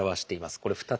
これ２つ。